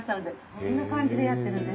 こんな感じでやってるんです。